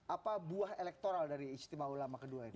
apa buah elektoral dari istimewa ulama kedua ini